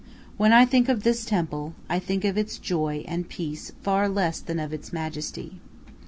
When I think of this temple, I think of its joy and peace far less than of its majesty.